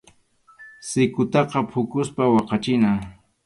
Sikutaqa phukuspa waqachina.